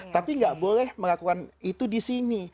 tapi nggak boleh melakukan itu disini